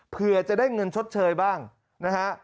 เพื่อจะได้เงินชดเชยบ้างนะฮะ